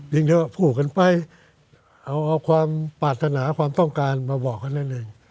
ยังเดี๋ยวพูดกันไปเอาความปรารถนาความต้องการมาบอกกันได้เลย